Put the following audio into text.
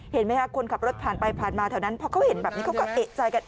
เห็นไหมคะคนขับรถผ่านไปผ่านมาแถวนั้นพอเขาเห็นแบบนี้เขาก็เอกใจกัน